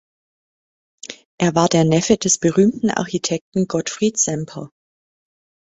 Er war der Neffe des berühmten Architekten Gottfried Semper.